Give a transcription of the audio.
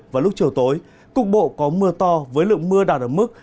vào lúc chiều tối cục bộ có mưa to với lượng mưa đạt ở mức